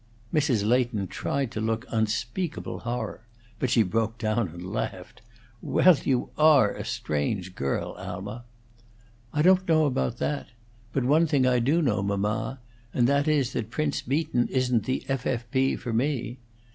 Mrs. Leighton tried to look unspeakable horror; but she broke down and laughed. "Well, you are a strange girl, Alma." "I don't know about that. But one thing I do know, mamma, and that is that Prince Beaton isn't the F. F. P. for me.